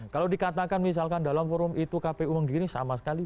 kalau dikatakan misalkan dalam forum itu kpu menggiring sama sekali